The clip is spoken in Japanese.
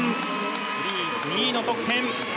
フリー２位の得点！